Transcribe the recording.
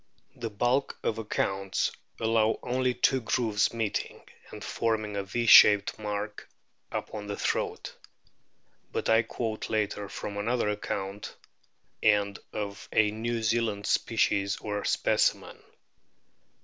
The bulk of accounts allow only two grooves meeting, and forming a V shaped mark upon the throat. But I quote later from another account, and of a New Zealand species or specimen.